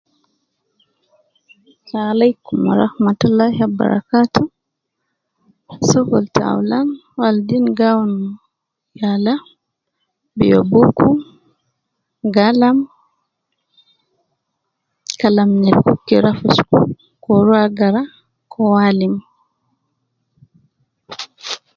Salam aleikum warahmatullahi wabarakaatu, sokol taulan waleidein gi awun yala biyo buku, galam, kalam nyereku ke rua fi school, ke uwo rua agara, ke uwo alim